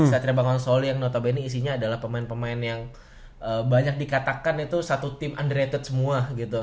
satria bangkong solo yang notabene isinya adalah pemain pemain yang banyak dikatakan itu satu tim underrated semua